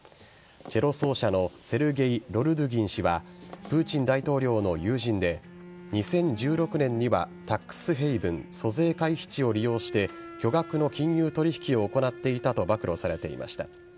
チェロ奏者のセルゲイ・ロルドゥギン氏はプーチン大統領の友人で２０１６年にはタックスヘイブン租税回避地を利用して巨額の金融取引を行っていたと暴露されていました。